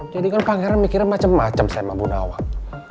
jadi kan pangeran mikirnya macem macem sama bunda wang